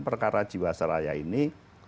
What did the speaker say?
perkara jiwaseraya ini